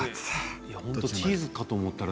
いや本当チーズかと思ったら。